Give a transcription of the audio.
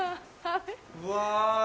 ・うわ！